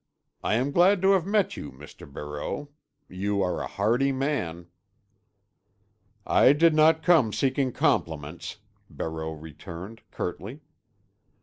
"I am glad to have met you, Mr. Barreau. You are a hardy man." "I did not come seeking compliments," Barreau returned curtly.